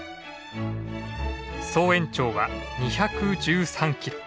総延長は２１３キロ。